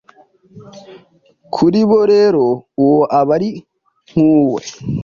kuri bo rero uwo aba ari nk'uwe